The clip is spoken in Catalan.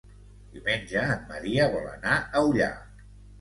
Diumenge en Maria vol anar a Ullà.